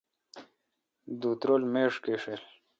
دُت رل میڄ گݭیل